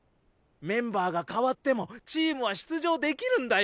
メンバーが変わってもチームは出場できるんだよ！